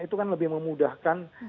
itu kan lebih memudahkan